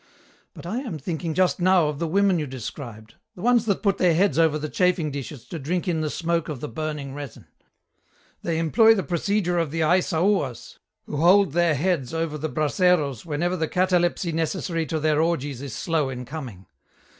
But I am thinking just now of the women you described, the ones that put their heads over the chafing dishes to drink in the smoke of the burning resin. They employ the procedure of the Aissaouas, who hold their heads over the braseros whenever the catalepsy necessary to their orgies is slow in coming.